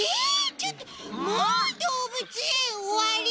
ちょっともうどうぶつえんおわり？